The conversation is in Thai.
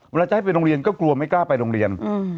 จะให้ไปโรงเรียนก็กลัวไม่กล้าไปโรงเรียน